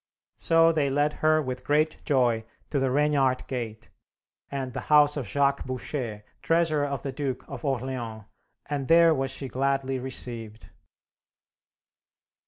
So they led her with great joy to the Regnart Gate, and the house of Jacques Boucher, treasurer of the Duke of Orleans, and there was she gladly received.